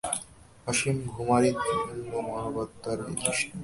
অসীম ভূমারই জন্য মানবাত্মার এই তৃষ্ণা।